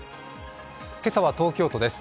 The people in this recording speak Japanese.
今朝は東京都です。